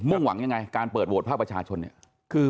่งหวังยังไงการเปิดโหวตภาคประชาชนเนี่ย